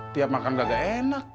tiap makan enggak enak